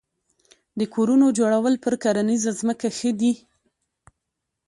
د کورونو جوړول په کرنیزه ځمکه ښه دي؟